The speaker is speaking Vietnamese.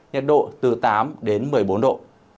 nhiệt độ từ tám đến một mươi bốn độ